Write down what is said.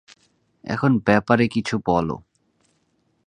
এখন ব্যাপারে কিছু বলো।